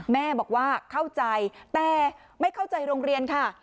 แม่บอกว่าเข้าใจแต่ไม่เข้าใจโรงเรียนค่ะ